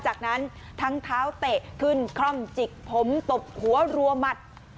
จากนั้นทั้งเท้าเตะขึ้นคล่อมจิกผมตบหัวรัวหมัด